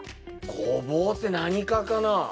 ゴボウって何科かな。